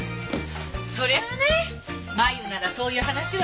そりゃあね麻友ならそういう話は来るよ。